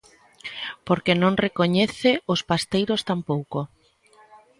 Porque non recoñece os pasteiros tampouco.